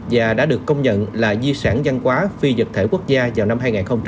và đã được công nhận là di sản văn hóa phi vật thể quốc gia vào năm hai nghìn một mươi